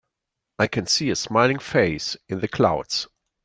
I can see a smiling face in the clouds.